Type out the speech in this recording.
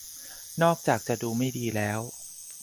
นอกจากจะดูไม่ดีแล้ว